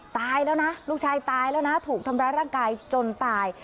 ตายแล้วนะลูกชายตายแล้วนะถูกทำร้ายร่างกายจนตาย